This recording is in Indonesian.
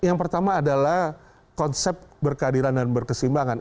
yang pertama adalah konsep berkeadilan dan berkesimbangan